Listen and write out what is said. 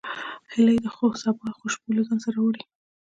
هیلۍ د سبا خوشبو له ځان سره راوړي